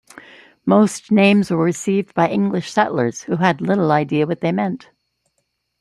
Most names were received by English settlers who had little idea what they meant.